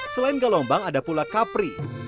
selain galombang ada pula kapri